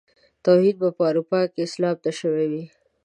توهين به په اروپا کې اسلام ته شوی وي.